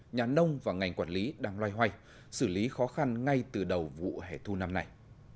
nhà nông và ngành quản lý đang loay hoay xử lý khó khăn ngay từ đầu vụ hẻ thu năm nay